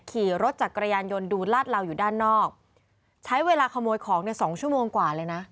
ขี่รถจักรยานยนต์ดูลาดเหลาอยู่ด้านนอกใช้เวลาขโมยของเนี่ยสองชั่วโมงกว่าเลยนะ